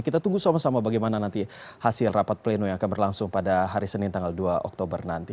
kita tunggu sama sama bagaimana nanti hasil rapat pleno yang akan berlangsung pada hari senin tanggal dua oktober nanti